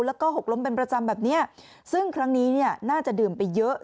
แล้วก็หกล้มเป็นประจำแบบเนี้ยซึ่งครั้งนี้เนี่ยน่าจะดื่มไปเยอะ